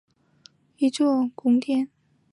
魏玛宫是德国图林根州魏玛的一座宫殿。